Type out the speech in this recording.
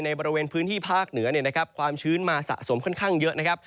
บริเวณพื้นที่ภาคเหนือความชื้นมาสะสมค่อนข้างเยอะนะครับ